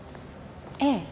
ええ。